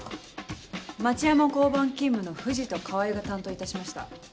町山交番勤務の藤と川合が担当いたしました。